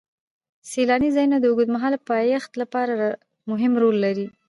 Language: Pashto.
سیلاني ځایونه د اوږدمهاله پایښت لپاره مهم رول لري.